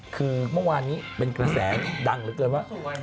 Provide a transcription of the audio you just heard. คือเมื่อวานนี้เป็นกระแสดังเหลือเกินว่า